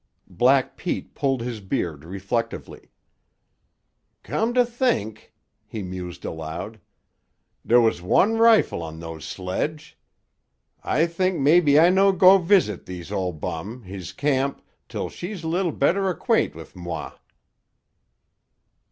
Black Pete pulled his beard reflectively. "Come to theenk," he mused aloud, "dere was wan rifle on those sledge. I theenk mebbe I no go viseet thees ol' bum, he's camp, teel she's leetle better acquaint' weeth moi."